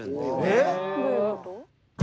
えっ？どういうこと？